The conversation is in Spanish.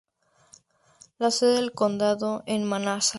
La sede del condado es Manassas.